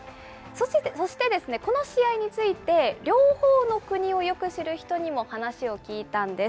そしてこの試合について、両方の国をよく知る人にも話を聞いたんです。